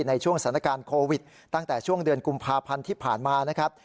ในช่วงสถานการณ์โควิดตั้งแต่ช่วงเดือนกุมภาพันธ์ที่ผ่านมานะครับ